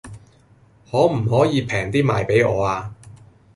可唔可以平啲賣俾我呀